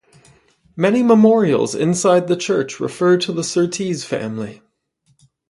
Many memorials inside the church refer to the Surtees family.